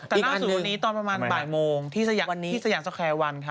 แต่ล่าสุดวันนี้ตอนประมาณบ่ายโมงที่สยามสแคร์วันค่ะ